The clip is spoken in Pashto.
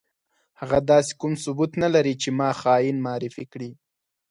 هغه داسې کوم ثبوت نه لري چې ما خاين معرفي کړي.